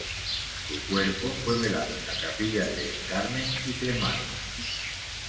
Su cuerpo fue velado en la capilla de El Carmen y cremado.